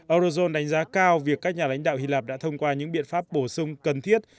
eurozone đánh giá cao việc các nhà lãnh đạo hy lạp đã thông qua những biện pháp bổ sung cần thiết